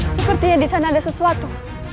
sepertinya disana ada sesuatu